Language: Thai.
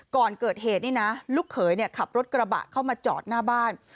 ก่อนเกิดเหตุนี่นะลูกเขยขับรถกระบะเข้ามาจอดหน้าบ้าน